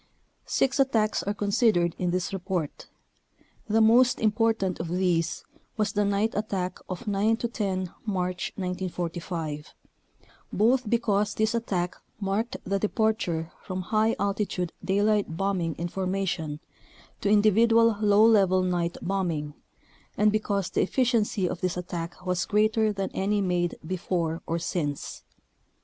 Six attacks are considered in this report. The most important of these was the night attack of 9 10 March 1945, both because this attack marked the departure from high altitude daylight bombing in formation to individual low level night bombing, and because the effi ciency of this attack was greater than any made before or since.